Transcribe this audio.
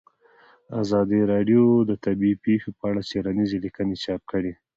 ازادي راډیو د طبیعي پېښې په اړه څېړنیزې لیکنې چاپ کړي.